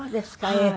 ええ。